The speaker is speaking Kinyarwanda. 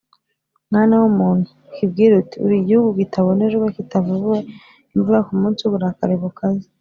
“Mwana w’umuntu, ukibwire uti ‘Uri igihugu kitabonejwe, kitavubiwe imvura ku munsi w’uburakari bukaze’